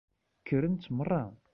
Kkrent meṛṛa.